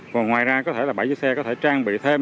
còn ngoài ra có thể là bãi dưới xe có thể trang bị thêm